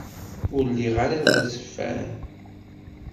Ur lliɣ ara d azeffan.